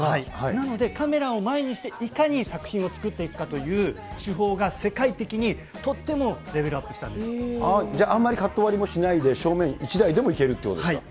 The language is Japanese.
なので、カメラを前にしていかに作品を作っていくかという手法が世界的にじゃあ、あんまりカット割りもしないで、正面１台でもいけるってことですか。